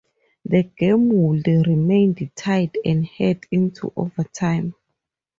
The game would remained tied and head into overtime.